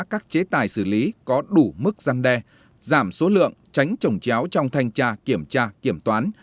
các chế tài xử lý có đủ mức răn đe giảm số lượng tránh trồng chéo trong thanh tra kiểm tra kiểm toán